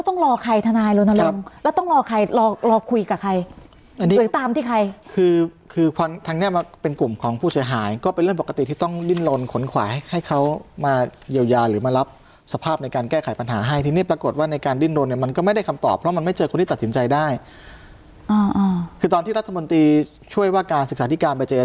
ต้องรอใครทนายรณรงค์แล้วต้องรอใครรอรอคุยกับใครคุยตามที่ใครคือคือพอทางเนี้ยมาเป็นกลุ่มของผู้เสียหายก็เป็นเรื่องปกติที่ต้องดิ้นลนขนขวาให้เขามาเยียวยาหรือมารับสภาพในการแก้ไขปัญหาให้ทีนี้ปรากฏว่าในการดิ้นลนเนี่ยมันก็ไม่ได้คำตอบเพราะมันไม่เจอคนที่ตัดสินใจได้อ่าคือตอนที่รัฐมนตรีช่วยว่าการศึกษาธิการไปเจอ